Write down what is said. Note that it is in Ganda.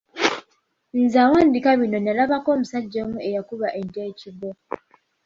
Nze awandiika bino nalabako omusajja omu eyakuba ente ekigwo.